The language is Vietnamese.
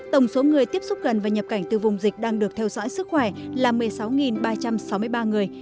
tổng số người tiếp xúc gần và nhập cảnh từ vùng dịch đang được theo dõi sức khỏe là một mươi sáu ba trăm sáu mươi ba người